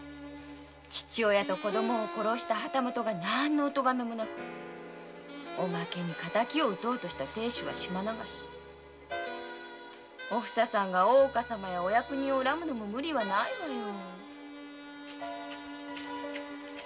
父親と子供を殺した旗本が何のおとがめもなくおまけに敵を討とうとした亭主は島流しお房さんが大岡様やお役人を恨むのも無理はないわよ。